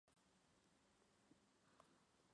Fue un monográfico sobre cine y deporte.